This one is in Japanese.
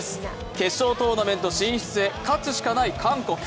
決勝トーナメント進出へ勝つしかない韓国。